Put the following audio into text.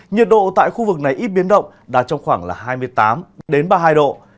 nhiệt độ tại khu vực này ít biến động đạt trong khoảng là hai mươi tám ba mươi hai độ